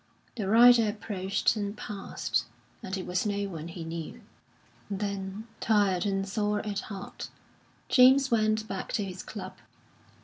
The rider approached and passed, and it was no one he knew. Then, tired and sore at heart, James went back to his club.